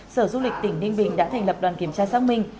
sở du lịch tỉnh ninh bình đã thành lập đoàn kiểm tra xác minh